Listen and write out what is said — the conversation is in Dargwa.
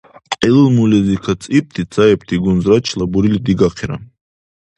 ГӀилмулизи кацӀибти цаибти гунзрачила бурили дигахъира.